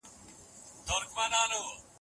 سیالي د زده کړې بهیر ګړندی کوي.